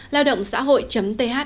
lao động xã hội thnc